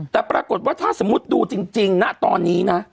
แต่ปรากฏว่าถ้าสมมุติดูจริงนะตอนนี้นะ